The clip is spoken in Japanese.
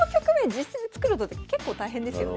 実際に作るのって結構大変ですよね。